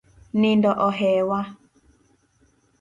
Nindo ohewa.